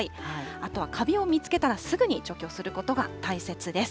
あとはかびを見つけたらすぐに除去することが大切です。